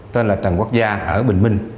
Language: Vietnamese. tên là trần quốc gia ở bình minh